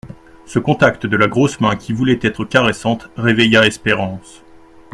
Ce contact de la grosse main qui voulait être caressante réveilla Espérance.